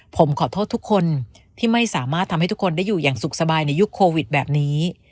ผมขอโทษทุกคนที่ไม่สามารถทำให้ทุกคนได้อยู่อย่างสุขสบายในยุคโควิดแบบนี้